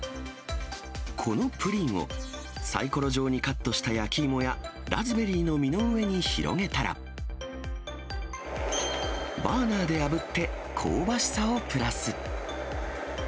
このプリンを、サイコロ状にカットした焼き芋や、ラズベリーの実の上に広げたら、バーナーであぶって香ばしさをプラス。